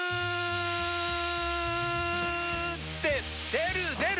出る出る！